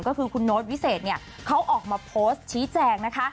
คุณโน๊ตวิเศษเนี่ยเขาออกมาโพสต์ชี้แจง